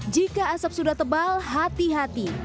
jika asap sudah tebal hati hati